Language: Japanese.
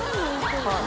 はい